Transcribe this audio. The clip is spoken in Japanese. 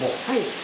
はい。